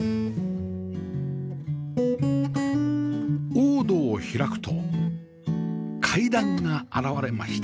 大戸を開くと階段が現れました